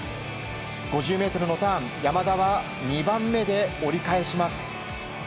５０ｍのターン山田は２番目で折り返します。